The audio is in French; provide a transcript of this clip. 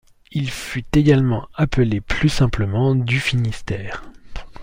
Il fut également appelé plus simplement du Finistère.